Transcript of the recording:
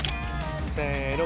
せの。